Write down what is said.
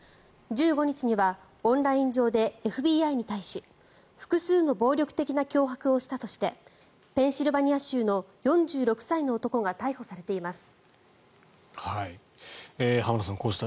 １５日にはオンライン上でＦＢＩに対し複数の暴力的な脅迫をしたとしてペンシルベニア州の４６歳の男が逮捕されています。